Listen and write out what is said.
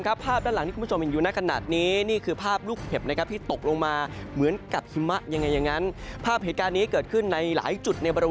ภาพด้านหลังที่คุณผู้ชมเห็นอยู่ในขณะนี้นี่คือภาพลูกเห็บนะครับที่ตกลงมาเหมือนกับหิมะยังไงอย่างนั้นภาพเหตุการณ์นี้เกิดขึ้นในหลายจุดในบริเวณ